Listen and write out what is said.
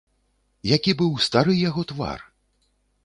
Які быў стары яго твар!